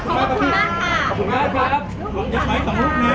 ก็ไม่มีคนกลับมาหรือเปล่า